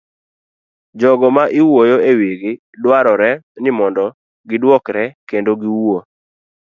Jogo ma iwuoyo ewigi dwarore ni mondo giduokre kendo giwuo.